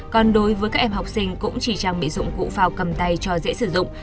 còn đối với các em học sinh cũng chỉ trang bị dụng cụ phao cầm tay cho dễ sử dụng